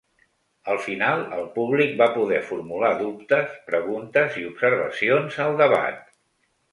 Al final, el públic va poder formular dubtes, preguntes i observacions al debat.